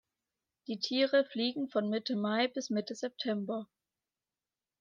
Die Tiere fliegen von Mitte Mai bis Mitte September.